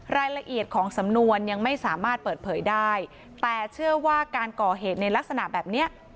รายละเอียดของสำนวนยังไม่สามารถเปิดเผยได้แต่เชื่อว่าการก่อเหตุในลักษณะแบบเนี้ย